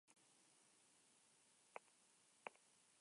Emakumea ospitalean artatu behar izan dute, zauri arinekin.